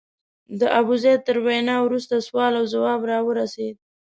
د ابوزید تر وینا وروسته سوال او ځواب راورسېد.